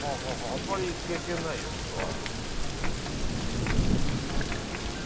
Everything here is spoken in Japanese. あんまり経験ないよそれは。